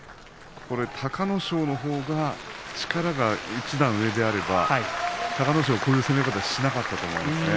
隆の勝のほうが力が一段上であれば隆の勝はこういう相撲をしなかったと思います。